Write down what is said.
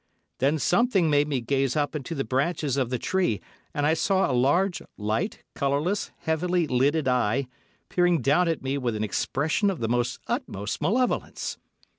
Then something made me gaze up into the branches of the tree, and I saw a large, light, colourless, heavily lidded eye peering down at me with an expression of the utmost malevolence.